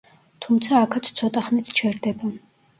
თუმცა აქაც ცოტახნით ჩერდება.